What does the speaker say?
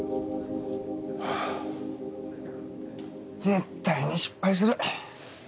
絶対に失敗する。